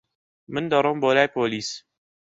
من دەڕۆم بۆ لای پۆلیس.